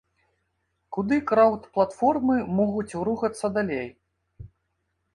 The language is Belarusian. Куды краўд-платформы могуць рухацца далей?